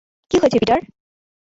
কী হয়েছে, পিটার?